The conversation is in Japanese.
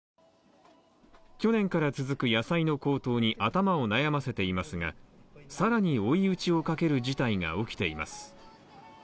去年から続く野菜の高騰に頭を悩ませていますが更に追い打ちをかける事態が起きています。